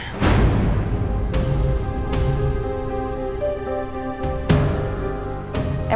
aku mau ke rumah